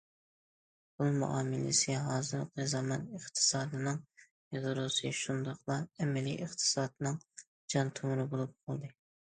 پۇل مۇئامىلىسى ھازىرقى زامان ئىقتىسادىنىڭ يادروسى، شۇنداقلا، ئەمەلىي ئىقتىسادنىڭ جان تومۇرى بولۇپ قالدى.